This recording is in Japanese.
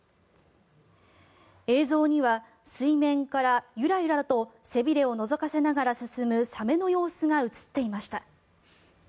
映像には水面から、ゆらゆらと背びれをのぞかせながら進むサメの様子が映っていました。